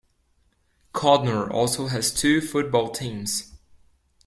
Codnor also has two football teams.